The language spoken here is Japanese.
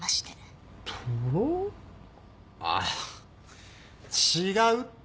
ああ違うって。